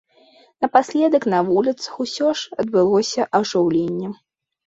Напаследак на вуліцах усё ж адбылося ажыўленне.